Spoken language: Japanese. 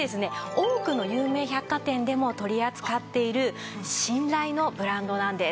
多くの有名百貨店でも取り扱っている信頼のブランドなんです。